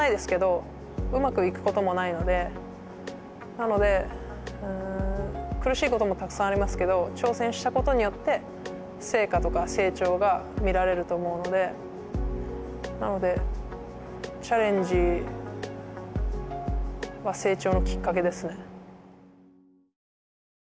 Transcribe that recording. なので苦しいこともたくさんありますけど挑戦したことによって成果とか成長が見られると思うのでなのでチャレンジは成長のきっかけですね。